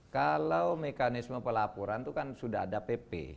kalau mekanisme pelaporan itu kan sudah ada pp